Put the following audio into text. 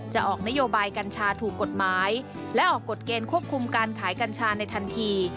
จะออกนโยบายกัญชาถูกกฎหมายและออกกฎเกณฑ์ควบคุมการขายกัญชาในทันที